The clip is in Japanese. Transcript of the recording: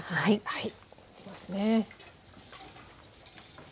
はい。